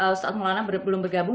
ustadz maulana belum bergabung